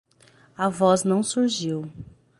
A voz não surgiu.